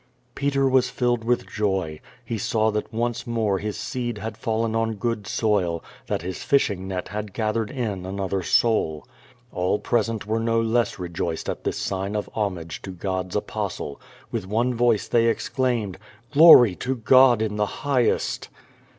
Peter was filled with joy. He saw that once more his seed had fallen on good soil, that his fishing net had gathered in another soul. All present were no less rejoiced at this sign of homage to God's Apostle. With one voice they exclaimed: "Glory to God in the highest!"